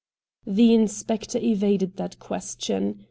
' The inspector evaded that question.